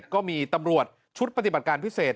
ก็มีตำรวจชุดปฏิบัติการพิเศษ